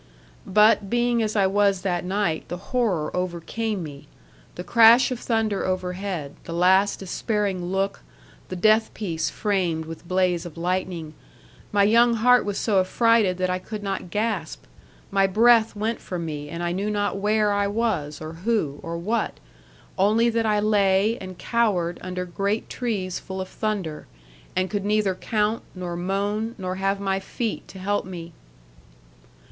'But, being as I was that night, the horror overcame me. The crash of thunder overhead, the last despairing look, the death piece framed with blaze of lightning my young heart was so affrighted that I could not gasp. My breath went from me, and I knew not where I was, or who, or what. Only that I lay, and cowered, under great trees full of thunder; and could neither count, nor moan, nor have my feet to help me.